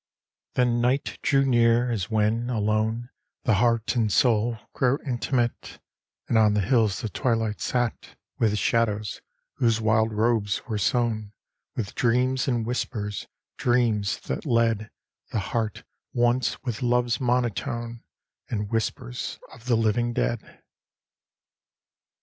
Then night drew near, as when, alone, The heart and soul grow intimate; And on the hills the twilight sate With shadows, whose wild robes were sown With dreams and whispers dreams, that led The heart once with love's monotone, And whispers of the living dead.